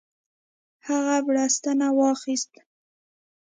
هغه بړستنه واخیست.